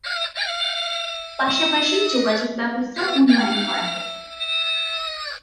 পাশাপাশি যোগাযোগ ব্যবস্থার উন্নয়ন করা হবে।